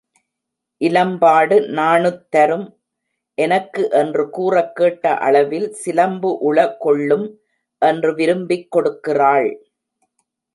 இலம்பாடு நாணுத் தரும் எனக்கு என்று கூறக் கேட்ட அளவில் சிலம்புஉள கொள்ளும் என்று விரும்பிக் கொடுக்கிறாள்.